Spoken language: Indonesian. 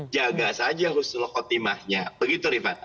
jaga saja huslokotimahnya begitu rifat